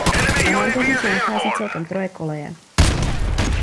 Na nádraží se nachází celkem troje koleje.